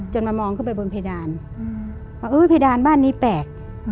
มามองขึ้นไปบนเพดานว่าเพดานบ้านนี้แปลก